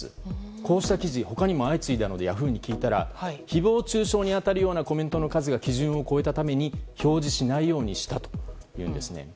こうした記事、他にも相次いだのでヤフーに聞いたら誹謗中傷に当たるようなコメントの数が基準を超えたために表示しないようにしたというんです。